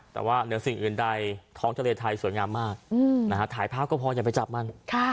แต่ว่าเหนือสิ่งอื่นใดท้องทะเลไทยสวยงามมากถ่ายภาพก็พออย่าไปจับมัน